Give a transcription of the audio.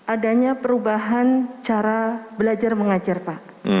adanya perubahan cara belajar mengajar pak